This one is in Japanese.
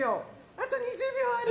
あと２０秒ある！